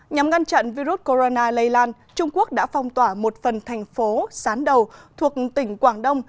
nhằm ngăn chặn virus corona lây lan trung quốc đã phong tỏa một phần thành phố sán đầu thuộc tỉnh quảng đông